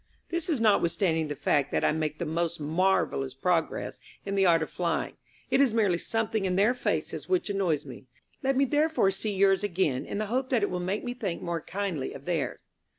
This is notwithstanding the fact that I make the most marvellous progress in the art of flying. It is merely something in their faces which annoys me. Let me therefore see yours again, in the hope that it will make me think more kindly of theirs."